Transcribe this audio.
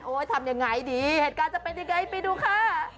ทำยังไงดีเหตุการณ์จะเป็นยังไงไปดูค่ะ